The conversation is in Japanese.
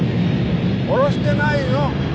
殺してないの！